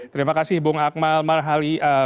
terima kasih bung akmal marhali